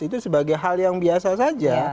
itu sebagai hal yang biasa saja